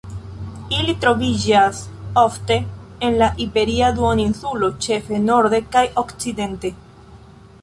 Ili troviĝas ofte en la Iberia Duoninsulo ĉefe norde kaj okcidente.